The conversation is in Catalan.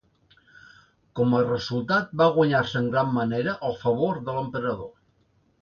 Com a resultat, va guanyar-se en gran manera el favor de l'emperador.